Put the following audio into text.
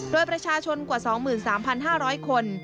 โดยประชาชนกว่า๒๓๕๐๐คน